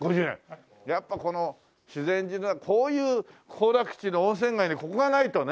やっぱこの修善寺にはこういう行楽地の温泉街にここがないとね。